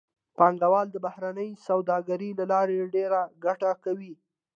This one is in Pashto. پانګوال د بهرنۍ سوداګرۍ له لارې ډېره ګټه کوي